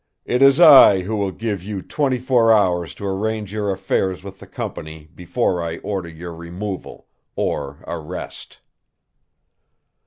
It is I who will give you twenty four hours to arrange your affairs with the company before I order your removal or arrest."